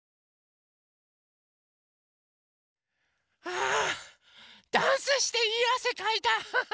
あダンスしていいあせかいた。